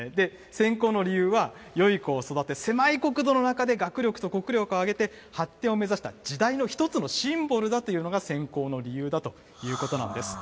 選考の理由は、よい子を育て、狭い国土の中で学力と国力を上げて、発展を目指した時代の一つのシンボルだというのが選考の理由だということなんです。